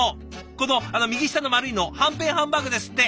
この右下の丸いのはんぺんハンバーグですって。